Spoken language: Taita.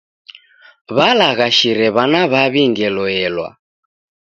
W'alaghashire w'ana w'aw'i ngelo elwa.